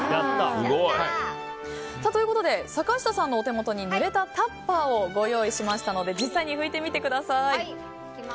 やった！ということで坂下さんのお手元にぬれたタッパーをご用意しましたので実際に拭いてみてください。